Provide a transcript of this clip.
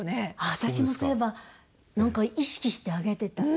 私もそういえば何か意識して上げてた。